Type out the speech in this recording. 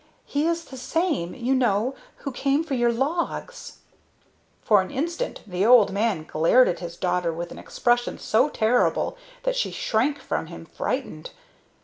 He is the same, you know, who came for your logs." For an instant the old man glared at his daughter with an expression so terrible that she shrank from him frightened.